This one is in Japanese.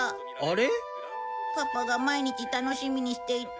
パパが毎日楽しみにしていた。